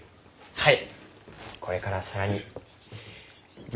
はい。